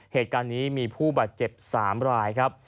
เหตุการณ์นี้มีผู้บาดเจ็บ๓รายครับ